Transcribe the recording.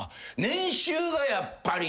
年収がやっぱり。